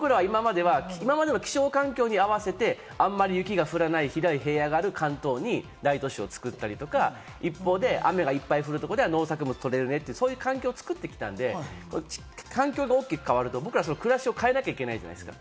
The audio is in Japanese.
僕らは今までの気象環境に合わせてあんまり雪が降らない、広い平野がある関東に大都市を作ったりとか、一方で雨がいっぱい降るところでは農作物が取れるねって環境を作ってきたんで、環境が大きく変わると、僕らは暮らしを変えなきゃいけない。